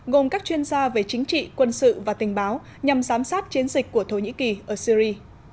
gồm các chuyên gia về chính trị quân sự và tình báo nhằm giám sát chiến dịch của thổ nhĩ kỳ ở syri